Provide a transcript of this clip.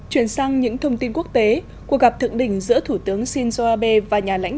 chuyển sang những thông tin quốc tế cuộc gặp thượng đỉnh giữa thủ tướng shinzo abe và nhà lãnh